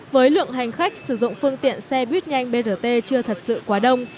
với lượng hành khách sử dụng phương tiện xe buýt nhanh brt chưa thật sự quá đông